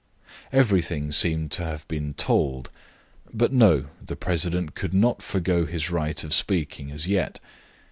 Everything seemed to have been told; but no, the president could not forego his right of speaking as yet.